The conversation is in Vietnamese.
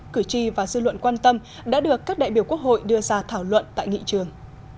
cử tri và dư luận quan tâm đã được các đại biểu quốc hội đưa ra thảo luận tại nghị trường